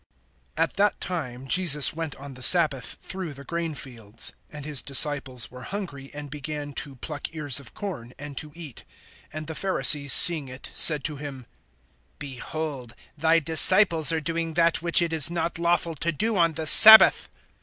AT that time Jesus went on the sabbath through the grain fields; and his disciples were hungry, and began to pluck ears of grain, and to eat. (2)And the Pharisees seeing it said to him: Behold, thy disciples are doing that which it is not lawful to do on the sabbath.